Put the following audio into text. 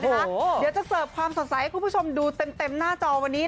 เดี๋ยวจะเสิร์ฟความสดใสให้คุณผู้ชมดูเต็มหน้าจอวันนี้